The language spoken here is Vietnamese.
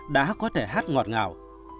đã có thể hát ngọt ngào